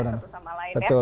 kita belajar yang sama lain ya